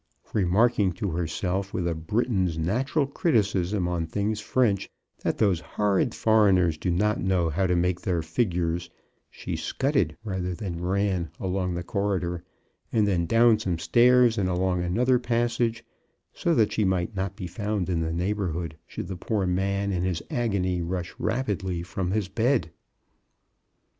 Remarking to herself, with a Briton's natural criticism on things French, that those horrid foreigners do not know how to make their figures, she scudded rather than ran along the corridor, and then down some stairs and along another passage — so that she might not be found in the neighborhood should the poor man in his agony rush rapidly from his bed.